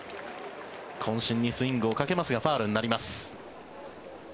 こん身のスイングをかけますがファウルになります。